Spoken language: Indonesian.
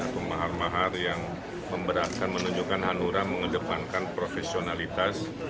pemahar mahar yang memberatkan menunjukkan hanura mengedepankan profesionalitas